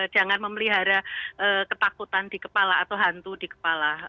jangan memelihara ketakutan di kepala atau hantu di kepala